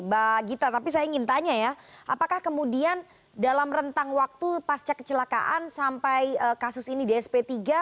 mbak gita tapi saya ingin tanya ya apakah kemudian dalam rentang waktu pasca kecelakaan sampai kasus ini di sp tiga